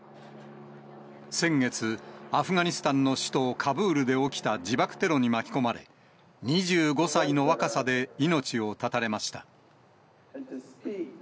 先月、アフガニスタンの首都カブールで起きた自爆テロに巻き込まれ、２５歳の若さで命を絶たれました。